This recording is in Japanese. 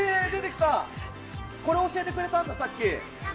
これ教えてくれたんだ、さっき。